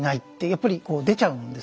やっぱり出ちゃうんですね。